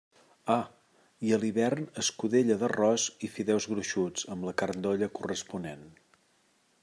Ah!, i a l'hivern escudella d'arròs i fideus gruixuts, amb la carn d'olla corresponent.